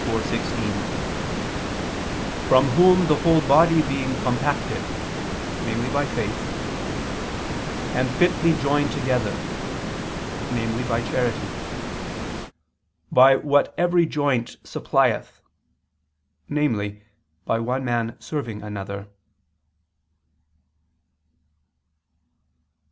4:16): "From whom the whole body being compacted," namely by faith, "and fitly joined together," namely by charity, "by what every joint supplieth," namely by one man serving another.